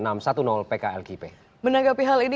menanggapi hal ini menteri perhubungan budi karya sumadi mengatakan